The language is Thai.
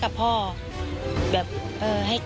อันดับสุดท้าย